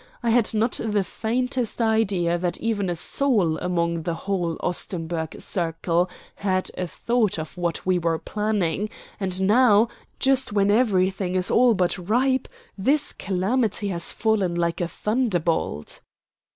I had not the faintest idea that even a soul among the whole Ostenburg circle had a thought of what we were planning; and now, just when everything is all but ripe, this calamity has fallen like a thunderbolt."